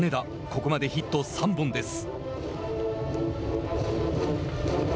ここまでヒット３本です。